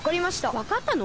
わかったの？